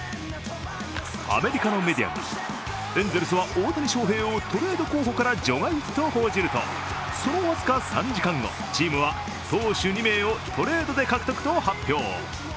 アメリカのメディアが、エンゼルスは大谷翔平をトレード候補から除外と報じると、その僅か３時間後、チームは投手２名をトレードで獲得と発表。